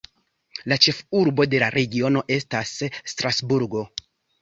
La ĉefurbo de la regiono estas Strasburgo.